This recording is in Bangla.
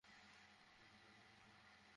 স্যার, তারা বারান্দায় আছে।